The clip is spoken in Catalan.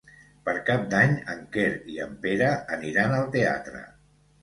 Per Cap d'Any en Quer i en Pere aniran al teatre.